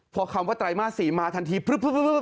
พอคำว่าไตรมาสสีมาทันหน้า